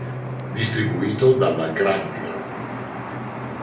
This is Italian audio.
Distribuito dalla Granger.